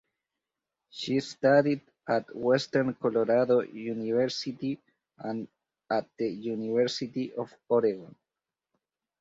She studied at Western Colorado University and at the University of Oregon.